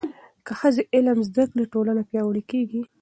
که ښځې علم زده کړي، ټولنه پیاوړې کېږي.